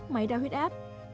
máy đào huyết áp